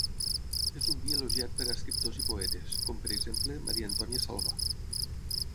És un vi elogiat per escriptors i poetes, com per exemple Maria Antònia Salvà.